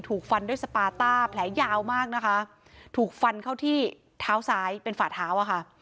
ถูกฟันด้วยสปาต้าแผลยาวมากนะคะถูกฟันเข้าที่เท้าซ้ายเป็นฝ่าเท้าอะค่ะ